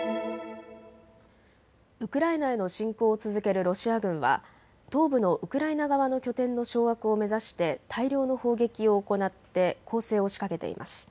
ウクライナへの侵攻を続けるロシア軍は東部のウクライナ側の拠点の掌握を目指して大量の砲撃を行って攻勢を仕掛けています。